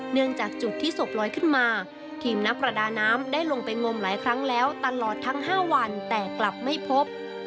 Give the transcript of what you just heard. เนื่องจากจุดที่ศพลอยขึ้นมาทีมนักประดาน้ำได้ลงไปงมหลายครั้งแล้วตลอดทั้ง๕วันแต่กลับไม่พบ